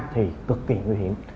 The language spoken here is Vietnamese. thì cực kỳ nguy hiểm